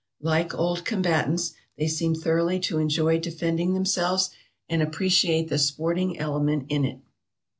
Like old combatants, they seem thoroughly to enjoy defending themselves, and appreciate the sporting element in it.